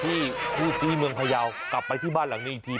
คู่ซีเมืองพยาวกลับไปที่บ้านหลังนี้อีกที